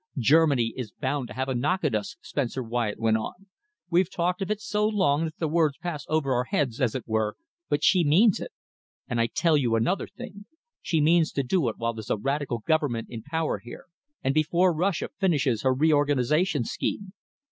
"Germany is bound to have a knock at us," Spencer Wyatt went on. "We've talked of it so long that the words pass over our heads, as it were, but she means it. And I tell you another thing. She means to do it while there's a Radical Government in power here, and before Russia finishes her reorganisation scheme.